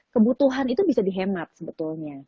kebutuhan itu bisa dihemat sebetulnya